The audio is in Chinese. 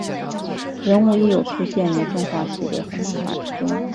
人物亦有出现于动画系列和漫画之中。